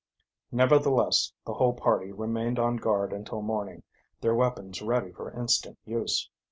Nevertheless the whole party remained on guard until morning, their weapons ready for instant use.